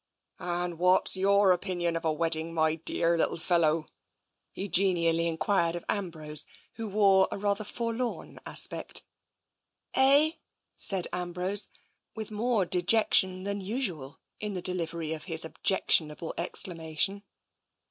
" And what's your opinion of a wedding, my dearr little fellow ?" he genially enquired of Ambrose, who wore a rather forlorn aspect. "Eh?" said Ambrose, with more dejection than usual in the delivery of his objectionable exclamation.